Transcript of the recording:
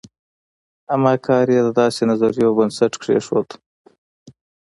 اما کار یې د داسې نظریو بنسټ کېښود.